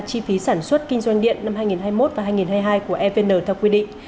chi phí sản xuất kinh doanh điện năm hai nghìn hai mươi một và hai nghìn hai mươi hai của evn theo quy định